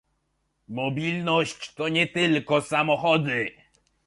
Mobilność to nie tylko samochody